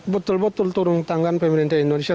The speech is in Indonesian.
betul betul turun tangan pemerintah indonesia